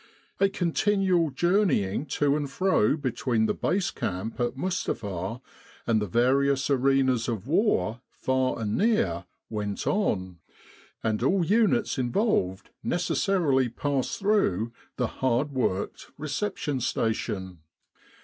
A continual journeying to and fro between the Base Camp at Mustapha and the various arenas of war, far and near, went on ; and all units involved necessarily passed through the hard worked Reception Station.